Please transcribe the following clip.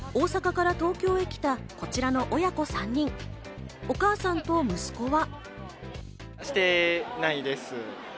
大阪から東京へ来たこちらの親子３人、お母さんと息子は。